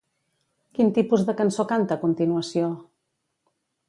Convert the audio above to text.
Quin tipus de cançó canta a continuació?